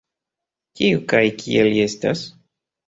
Kiu kaj kia li estas?